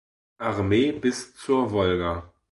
Armee bis zur Wolga.